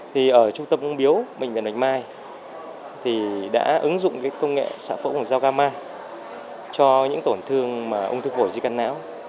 thì ở trung tâm ung biếu bệnh viện bệnh mai thì đã ứng dụng công nghệ xạ phẫu của giao gama cho những tổn thương mà ung thư phổi di căn não